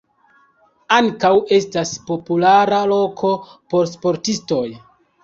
Ankaŭ estas populara loko por sportistoj.